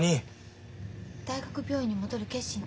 大学病院に戻る決心ついた？